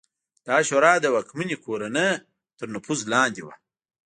دا شورا د واکمنې کورنۍ تر نفوذ لاندې وه